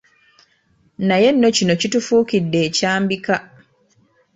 Naye nno kino kitufuukidde ekyambika.